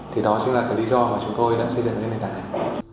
thì đó chính là cái lý do mà chúng tôi đã xây dựng cái nền tảng này